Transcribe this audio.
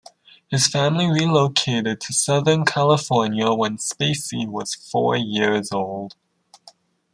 His family relocated to Southern California when Spacey was four years old.